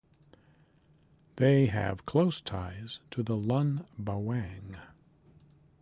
They have close ties to the Lun Bawang.